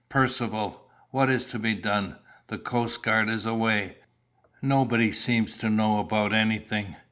"Percivale. What is to be done? The coastguard is away. Nobody seems to know about anything.